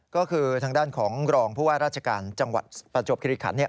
ก็คือทางด้านของรองผู้ว่าราชการจังหวัดประจวบคิริขัน